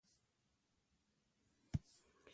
Then in April he was added to the Marine Committee.